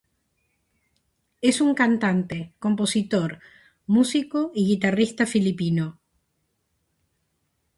Es un cantante, compositor, músico y guitarrista filipino.